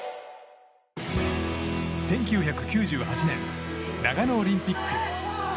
１９９８年長野オリンピック。